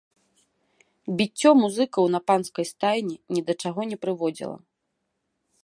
Біццё музыкаў на панскай стайні ні да чаго не прыводзіла.